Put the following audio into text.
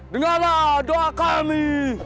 dengarlah doa kami